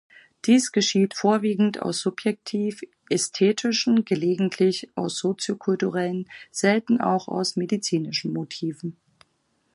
Dies geschieht vorwiegend aus subjektiv ästhetischen, gelegentlich aus soziokulturellen, selten auch aus medizinischen Motiven.